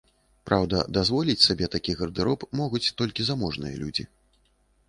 Праўда, дазволіць сябе такі гардэроб могуць толькі заможныя людзі.